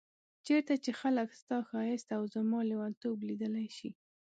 چيرته چي خلګ ستا ښايست او زما ليونتوب ليدلی شي